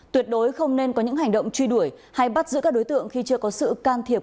tuyệt đối không nên có những hành động truy đuổi hay bắt giữ các đối tượng khi chưa có sự can thiệp